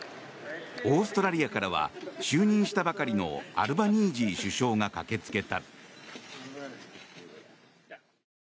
オーストラリアからは就任したばかりのアルバニージー首相が駆けつけた。